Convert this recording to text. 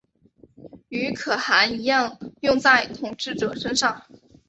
与可汗一样用在统治者身上。